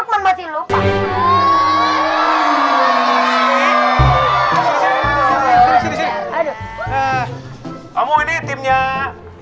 haaaa finalement bener you abang